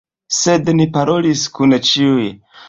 Sed ni parolis kun ĉiuj.